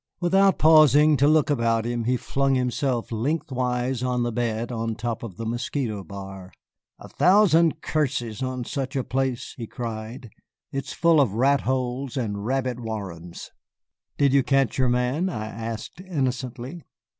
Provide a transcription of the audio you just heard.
Without pausing to look about him, he flung himself lengthwise on the bed on top of the mosquito bar. "A thousand curses on such a place," he cried; "it is full of rat holes and rabbit warrens." "Did you catch your man?" I asked innocently.